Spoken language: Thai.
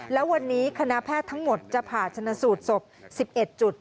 แล้ววันนี้คณะแพทย์ทั้งหมดจะผ่าชนสูตรศพ๑๑จุด